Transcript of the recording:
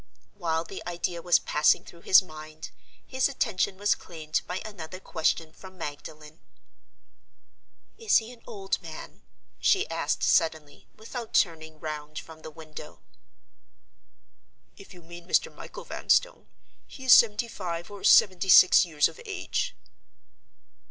While the idea was passing through his mind, his attention was claimed by another question from Magdalen. "Is he an old man?" she asked, suddenly, without turning round from the window. "If you mean Mr. Michael Vanstone, he is seventy five or seventy six years of age."